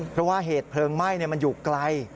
เพราะว่าเหตุเพลิงไหม้มันอยู่ไกล